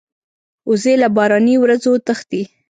وزې له باراني ورځو تښتي